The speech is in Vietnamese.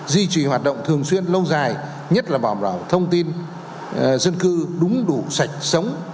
duy trì hoạt động thường xuyên lâu dài nhất là bảo đảm thông tin dân cư đúng đủ sạch sống